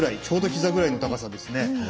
ちょうどひざぐらいの高さですね。